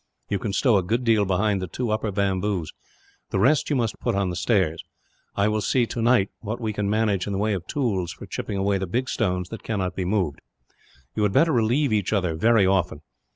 You can stow a good deal behind the two upper bamboos. The rest you must put on the stairs. I will see, tonight, what we can manage in the way of tools for chipping away the big stones that cannot be moved. You had better relieve each other very often.